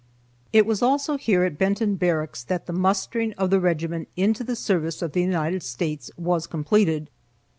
It was also here at Benton Barracks that the mustering of the regiment into the service of the United States was completed.